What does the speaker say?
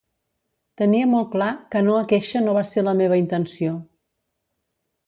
Tenia molt clar que no aqueixa no va ser la meva intenció.